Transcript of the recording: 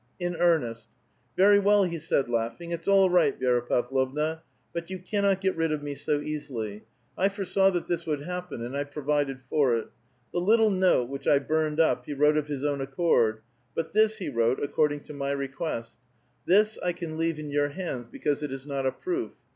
'' In earnest." *'Very well," he said laughing. "It's all right, Vi^ra Pavlovna, but you cannot get rid of me so easily ; I foresaw that this would hapi)eu and I provided for it. The little note which I burned up, he wrote of his own accord ; but this he wrote accoi*ding to my request ; this I can leave in your hands because it is not a proof.